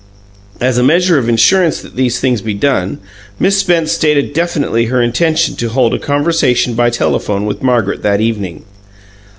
As a measure of insurance that these things be done, Miss Spence stated definitely her intention to hold a conversation by telephone with Margaret that evening.